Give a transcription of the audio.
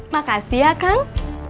makasih ya kang